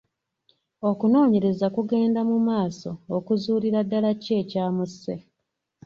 Okunoonyereza kugenda mu maaso okuzuulira ddala ki ekyamusse.